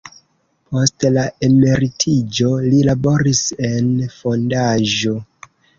Post la emeritiĝo li laboris en fondaĵo.